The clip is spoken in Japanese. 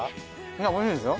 いやおいしいですよ。